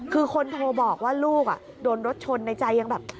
คือคนโทรบอกว่าลูกโดนรถชนในใจยังแบบ